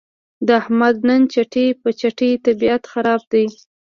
د احمد نن چټي په چټي طبیعت خراب دی.